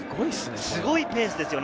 すごいペースですよね。